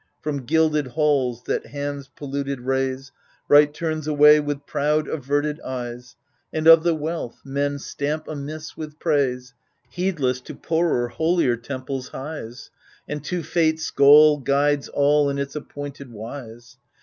From gilded halls, that hands polluted raise, Right turns away with proud averted eyes. And of the wealth, men stamp amiss with praise. Heedless, to poorer, holier temples hies, And to Fate's goal guides all, in its appointed wise.